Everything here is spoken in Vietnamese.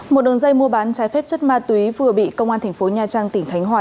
một đường dây mua bán trái phép chất ma túy vừa bị công an thành phố nha trang tỉnh khánh hòa